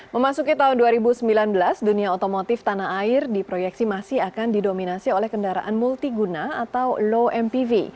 memasuki tahun dua ribu sembilan belas dunia otomotif tanah air diproyeksi masih akan didominasi oleh kendaraan multiguna atau low mpv